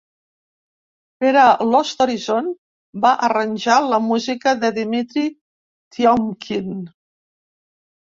Per a "Lost Horizon", va arranjar la música de Dimitri Tiomkin.